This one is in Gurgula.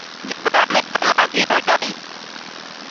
جبلآ مي تلآه بي هوندآ هينٚ۔